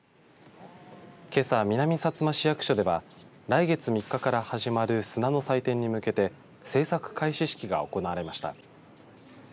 けさ、南さつま市役所では来月３日から始まる砂の祭典に向けて制作開始式が行われました。